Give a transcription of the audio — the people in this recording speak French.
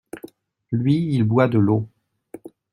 Lui, il boit de l’eau.